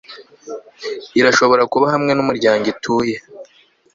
irashobora kuba hamwe numuryango ituye